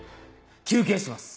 休憩します！